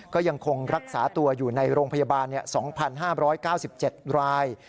ก็ยังคงรักษาตัวอยู่ในโรงพยาบาล๒๕๙๗ราย